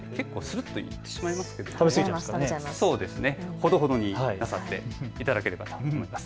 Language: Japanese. ほどほどになさっていただければと思います。